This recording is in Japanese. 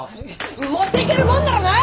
持っていけるもんならなあ！